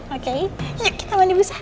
oke yuk kita mandi busa